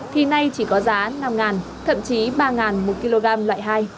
khi này chỉ có giá năm nghìn thậm chí ba nghìn một kg loại hai